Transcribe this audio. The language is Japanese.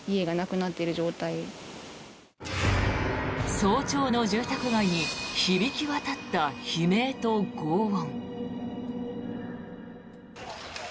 早朝の住宅街に響き渡った悲鳴とごう音。